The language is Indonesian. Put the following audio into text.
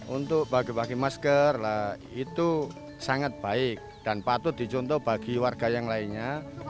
untuk bagi bagi masker itu sangat baik dan patut dicontoh bagi warga yang lainnya